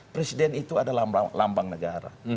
presiden itu adalah lambang negara